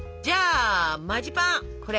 じゃあマジパン！